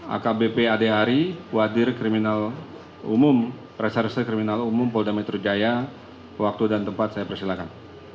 akbp adehari wadir kriminal umum reserse kriminal umum polda metro jaya waktu dan tempat saya persilakan